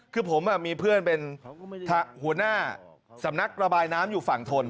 คือผมมีเพื่อนเป็นหัวหน้าสำนักระบายน้ำอยู่ฝั่งทน